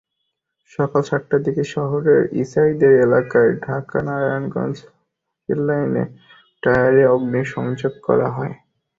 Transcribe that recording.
সকাল সাতটার দিকে শহরের ইসদাইর এলাকায় ঢাকা-নারায়ণগঞ্জ রেললাইনে টায়ারে অগ্নিসংযোগ করা হয়।